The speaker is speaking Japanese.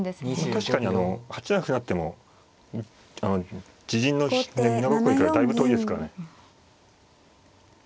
確かにあの８七歩成っても自陣の美濃囲いからだいぶ遠いですからね。